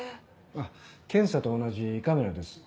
あっ検査と同じ胃カメラです。